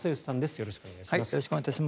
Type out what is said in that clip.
よろしくお願いします。